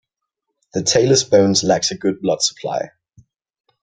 The talus bone lacks a good blood supply.